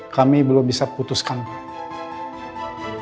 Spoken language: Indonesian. kami belum bisa putuskan